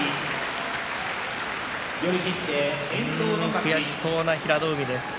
悔しそうな平戸海です。